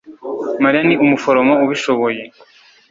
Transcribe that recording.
mariya ni umuforomo ubishoboye (danepo)